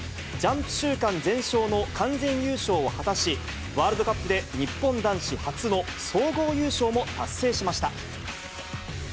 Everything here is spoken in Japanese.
ジャンプ週間全勝の完全優勝を果たし、ワールドカップで日本男子初の総合優勝も達成しました。